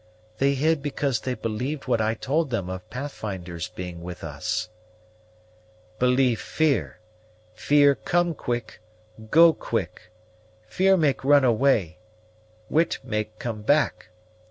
They hid because they believed what I told them of Pathfinder's being with us." "Believe fear. Fear come quick, go quick. Fear make run away; wit make come back.